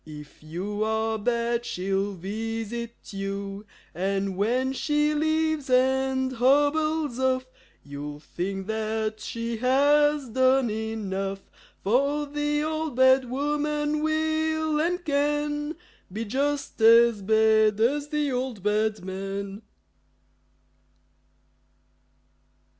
If you are bad, she'll visit you. And when she leaves and hobbles off You'll think that she has done enough; For the Old Bad Woman will and can Be just as bad as the Old Bad Man!